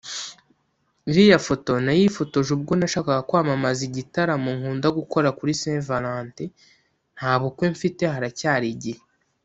Iriya foto nayifotoje ubwo nashakaga kwamamaza igitaramo nkunda gukora kuri Saint Valentin…Nta bukwe mfite haracyari igihe